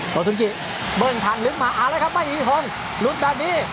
โตสุนกิเบิร์นทันนึงมาอาจนะครับไม่มีทนรุดแบบนี้